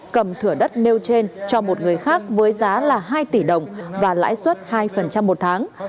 cầm thửa đất nêu trên cho một người khác với giá là hai tỷ đồng và lãi suất hai một tháng